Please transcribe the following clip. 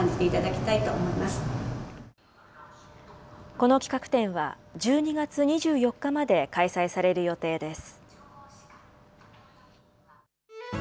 この企画展は、１２月２４日まで開催される予定です。